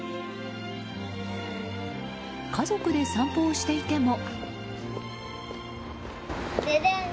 家族で散歩をしていても。